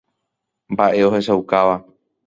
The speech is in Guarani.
Mba'e ohechaukáva.